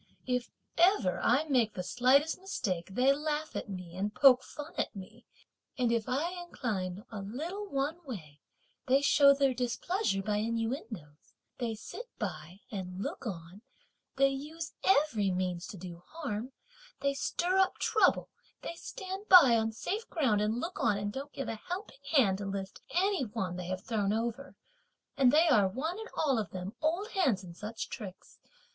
If ever I make the slightest mistake, they laugh at me and poke fun at me; and if I incline a little one way, they show their displeasure by innuendoes; they sit by and look on, they use every means to do harm, they stir up trouble, they stand by on safe ground and look on and don't give a helping hand to lift any one they have thrown over, and they are, one and all of them, old hands in such tricks.